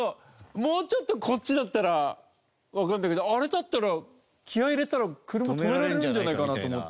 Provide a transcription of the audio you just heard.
もうちょっとこっちだったらわかったけどあれだったら気合入れたら車止められるんじゃないかなと思って。